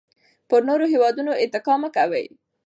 پر نورو هېوادونو اتکا مه کوئ.